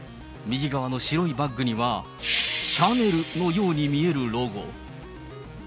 右側の白いバッグには、シャネルのように見えるロゴ。